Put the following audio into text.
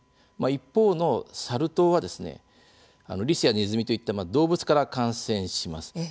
一方の、サル痘はリスやネズミといった動物から感染します。